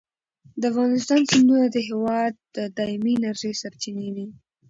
د افغانستان سیندونه د هېواد د دایمي انرژۍ سرچینې دي.